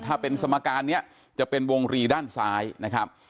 ถ้าเป็นสมการนี้จะเป็นวงรีด้านซ้ายนะครับ